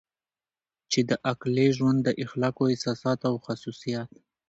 چې د عقلې ژوند د اخلاقو احساسات او خصوصیات